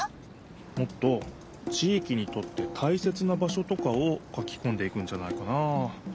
もっと地いきにとってたいせつな場所とかを書きこんでいくんじゃないかなあ。